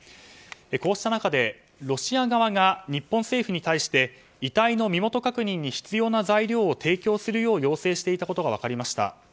こうした中で、ロシア側が日本政府に対して遺体の身元確認に必要な材料を提供するよう要請していたことが分かりました。